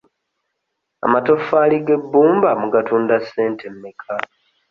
Amatofaali g'ebbumba mugatunda ssente mmeka?